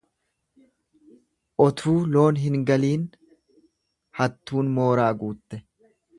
Otuu loon hin galiin hattuun mooraa guutte.